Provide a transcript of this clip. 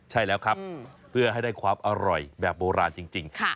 ใช่แล้วครับเพื่อให้ได้ความอร่อยแบบโบราณจริง